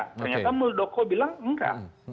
ternyata muldoko bilang enggak